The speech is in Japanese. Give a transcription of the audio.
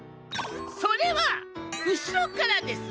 それはうしろからです。